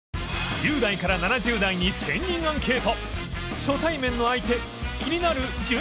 １０代から７０代に１０００人アンケート！